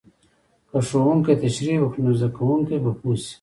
که ښوونکی تشریح وکړي، نو زده کوونکی به پوه شي.